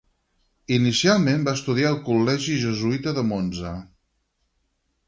Inicialment va estudiar al Col·legi Jesuïta de Monza.